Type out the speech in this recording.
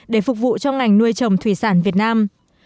để phục vụ cho ngành nuôi trồng thủy sản việt nam